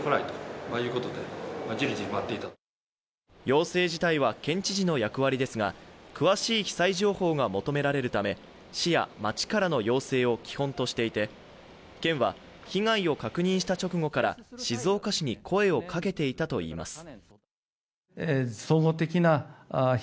要請自体は県知事の役割ですが詳しい被災情報が求められるため市や町からの要請を基本としていて県は被害を確認した直後から静岡市に声をかけていたといいます。